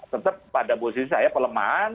tetap pada posisi saya pelemahan